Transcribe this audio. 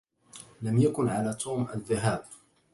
لم يكن على توم الذهاب.